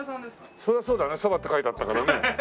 そりゃそうだね「蕎麦」って書いてあったからね。